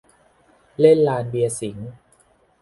เล่นลานเบียร์สิงห์